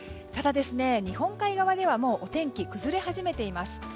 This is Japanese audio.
ただ、日本海側ではもう天気崩れ始めています。